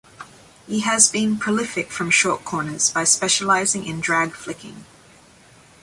He has been prolific from shortcorners by specialising in drag flicking.